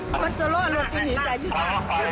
สวัสดีครับทุกคน